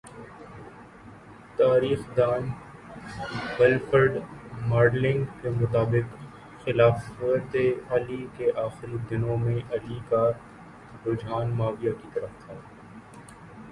تاریخ دان Wilfred modelling کے مطابق خلافتِ علی کے آخری دنوں میں علی کا رجحان معاویہ کی طرف تھا